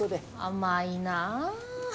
甘いなあ。